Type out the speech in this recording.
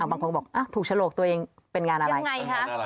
บางคนก็บอกถูกฉลกตัวเองเป็นงานอะไร